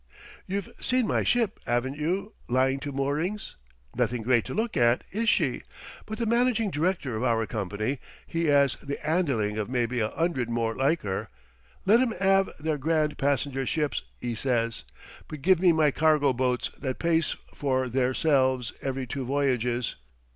You've seen my ship, 'aven't you, lying to moorings? Nothing great to look at, is she? but the managing director of our company he has the 'andling of maybe a 'undred more like her 'Let 'em 'ave their grand passenger ships,' 'e says, 'but give me my cargo boats that pays for theirselves every two voyages.'